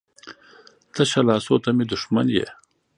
تشه لاسو ته مې دښمن یې.